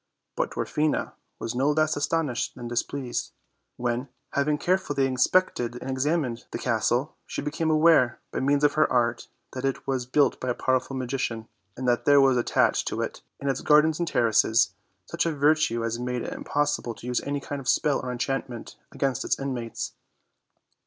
3ut Dwarfina was no less astonished than displeased when, having carefully inspected and examined the cas tle, she became aware, by means of her art, that it was built by a powerful magician, and that there was attached to it, and its gardens and terraces, such a virtue as made it impossible to use any kind of spell or enchantment against its inmates.